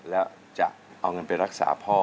แล้วจะเอาเงินไปรักษาพ่อ